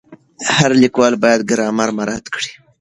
هر لیکوال باید ګرامر مراعت کړي.